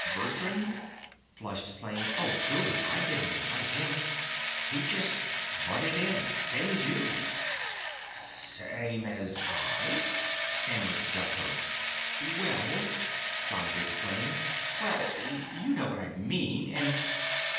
Bertrand?" flushed Flame. "Oh, truly, I didn't invite him! He just butted in ... same as you!" "Same as ... I?" stammered Delcote. "Well..." floundered Flame. "Well ... you know what I mean and